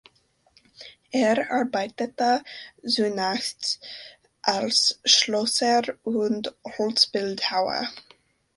Er arbeitete zunächst als Schlosser und Holzbildhauer.